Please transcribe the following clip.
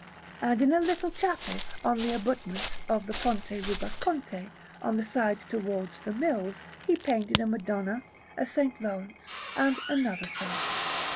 And in a little chapel on the abutment of the Ponte Rubaconte, on the side towards the Mills, he painted a Madonna, a S. Laurence, and another saint.